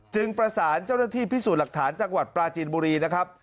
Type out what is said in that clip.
ประสานเจ้าหน้าที่พิสูจน์หลักฐานจังหวัดปลาจีนบุรีนะครับ